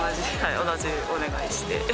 同じお願いして。